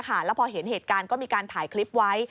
แล้วพอเห็นเหตุการณ์ก็มีการถ่ายคลิปไว้